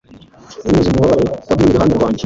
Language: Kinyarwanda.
binyuze mu bubabare wagumye iruhande rwanjye